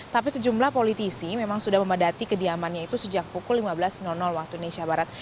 tapi sejumlah politisi memang sudah memadati kediamannya itu sejak pukul lima belas waktu indonesia barat